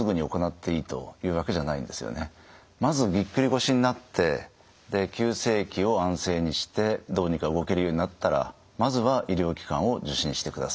まずぎっくり腰になって急性期を安静にしてどうにか動けるようになったらまずは医療機関を受診してください。